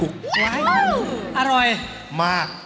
อร่อยเยี่ยมมาก